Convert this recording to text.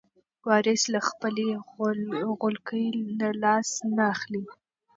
وارث له خپلې غولکې نه لاس نه اخلي.